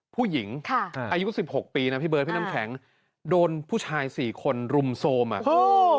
ผู้หญิงอายุ๑๖ปีนะพี่เบิร์ดพี่น้ำแข็งโดนผู้ชาย๔คนรุมโซมอ่ะโอ้โห